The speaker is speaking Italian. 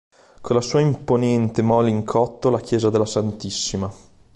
Con la sua imponente mole in cotto, la chiesa della Ss.